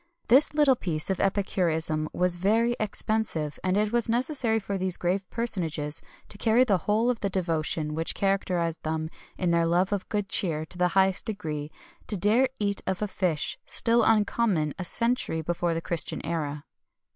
[XXI 219] This little piece of epicurism was very expensive, and it was necessary for these grave personages to carry the whole of the devotion which characterized them in their love of good cheer to the highest degree, to dare eat of a dish still uncommon a century before the Christian era.